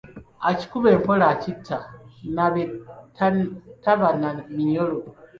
Akikuba empola akitta, nnabe taba na minyolo.